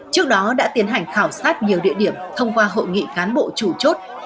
trước đó đã tiến hành khảo sát nhiều địa điểm thông qua hội nghị cán bộ chủ chốt